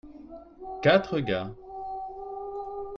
quatre gars.